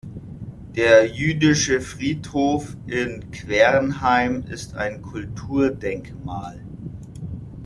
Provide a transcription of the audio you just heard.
Der jüdische Friedhof in Quernheim ist ein Kulturdenkmal.